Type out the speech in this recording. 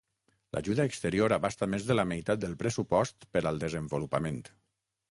L'ajuda exterior abasta més de la meitat del pressupost per al desenvolupament.